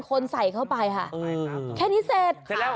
คนใส่เข้าไปแค่นี้เสร็จ